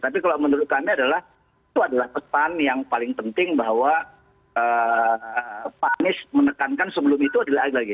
tapi kalau menurut kami adalah itu adalah pesan yang paling penting bahwa pak anies menekankan sebelum itu adalah lagi lagi